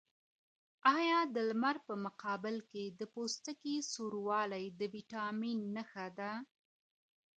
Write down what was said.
ایا د لمر په مقابل کي د پوستکي سوروالی د ویټامین نښه ده؟